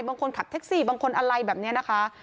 คนขับแท็กซี่บางคนอะไรแบบนี้นะคะ